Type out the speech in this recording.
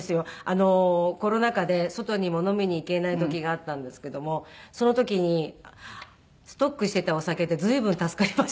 あのコロナ禍で外にも飲みに行けない時があったんですけどもその時にストックしてたお酒で随分助かりましたね。